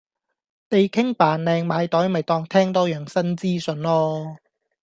地傾扮靚買袋咪當聽多樣新資訊囉